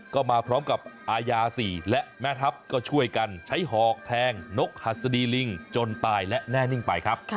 ก็มาพร้อมกับอาญา๔และแม่ทัพก็ช่วยกันใช้หอกแทงนกหัสดีลิงจนตายและแน่นิ่งไปครับ